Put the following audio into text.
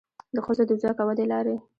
د ښځو د ځواک او ودې لارې